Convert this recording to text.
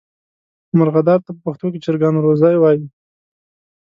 مرغدار ته په پښتو کې چرګان روزی وایي.